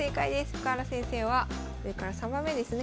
深浦先生は上から３番目ですね。